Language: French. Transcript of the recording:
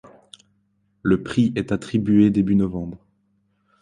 Le prix est attribué début novembre.